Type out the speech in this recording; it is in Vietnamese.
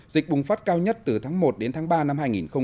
dịch bùng phát cao nhất từ tháng một đến tháng ba năm hai nghìn một mươi chín